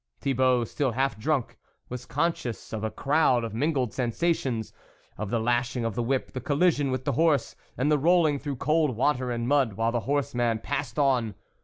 " Thibault, still half drunk, was conscious of a crowd of mingled sensations, of the lashing of the whip, the collision with the horse, and the rolling through cold water and mud, while ihe horseman passed on.